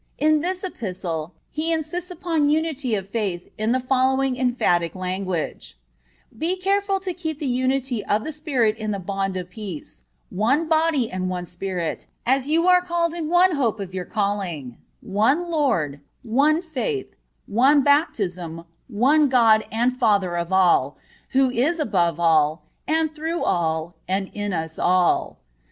In this Epistle he insists upon unity of faith in the following emphatic language: "Be careful to keep the unity of the Spirit in the bond of peace; one body and one Spirit, as you are called in one hope of your calling; one Lord, one faith, one baptism, one God and Father of all, who is above all, and through all, and in us all."